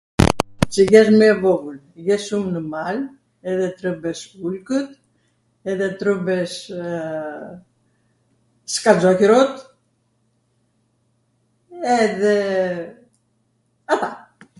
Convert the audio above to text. Cw jesh mw e vogwl, jeshwm nw mal, edhe trwmbesh ujkwt, edhe trwmbesh sknxohjirot, edhe ... ata.